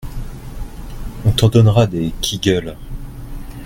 On t'en donnera des "Qui gueule"!